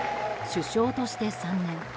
首相として３年。